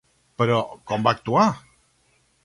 Però, com va actuar?